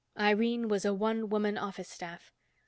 Irene was a one woman office staff.